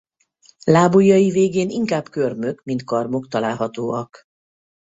Lábujjai végén inkább körmök mint karmok találhatóak.